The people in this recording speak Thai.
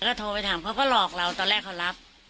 ก็โทรไปถามเขาก็หลอกเราตอนแรกเขารับ